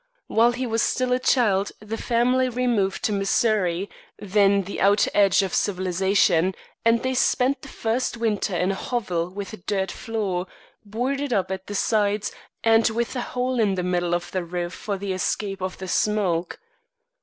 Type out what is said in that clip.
While he was still a child the family removed to Missouri, then on the outer edge of civilization, and they spent the first winter in a hovel with a dirt floor, boarded up at the sides, and with a hole in the middle of the roof for the escape of the smoke.